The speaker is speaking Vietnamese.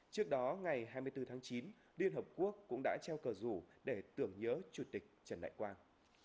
trước đó ngày hai mươi bốn tháng chín liên hợp quốc cũng đã treo cờ rủ để tưởng nhớ chủ tịch trần đại quang